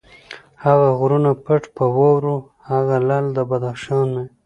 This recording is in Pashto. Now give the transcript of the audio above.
هغه غرونه پټ په واورو، هغه لعل د بدخشان مي